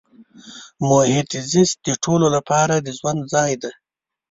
محیط زیست د ټولو لپاره د ژوند ځای دی.